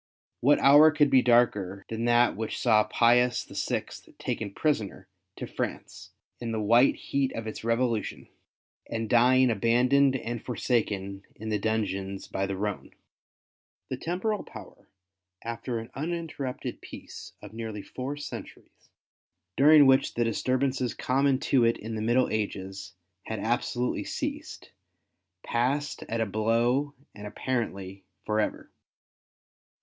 What hour could be darker than that which saw Pius VI. taken prisoner to France in the white heat of its Revolution, 156 WAR OF ANTICriRIST WITH THE CHURCH. and dying abandoned and forsaken in the dungeons by the Rhone ? The Temporal Power after an uninterrupted peace of nearly four centuries, during which the disturbances common to it in the middle ages, had absolutely ceased, passed at a blow and apparently for ever.